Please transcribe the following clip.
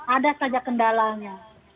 ada saja kendalanya